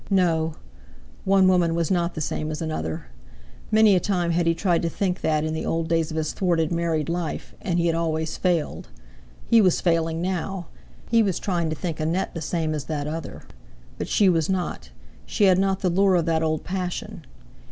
No! One woman was not the same as another. Many a time had he tried to think that in the old days of his thwarted married life; and he had always failed. He was failing now. He was trying to think Annette the same as that other. But she was not, she had not the lure of that old passion.